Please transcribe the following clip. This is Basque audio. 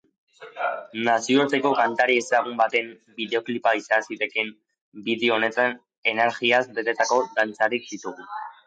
Nazioarteko kantari ezagun baten bideoklipa izan zitekeen bideo honetan energiaz betetako dantzariak ditugu.